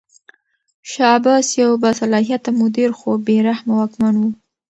شاه عباس یو باصلاحیته مدیر خو بې رحمه واکمن و.